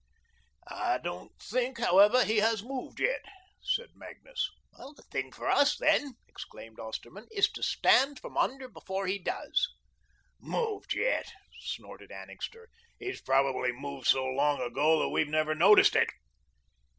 "I don't think, however, he has moved yet," said Magnus. "The thing for us, then," exclaimed Osterman, "is to stand from under before he does." "Moved yet!" snorted Annixter. "He's probably moved so long ago that we've never noticed it."